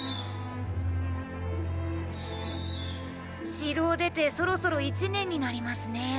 城を出てそろそろ１年になりますね王子。